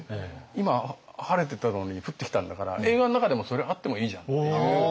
今晴れてたのに降ってきたんだから映画の中でもそれあってもいいじゃんっていう。